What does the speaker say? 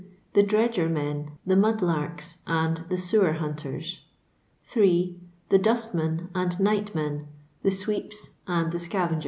The dredgeODen, the mud larkj, and the lewer hontert. 8. The duatmen and nightmen, the sweepa and the icaTengNi.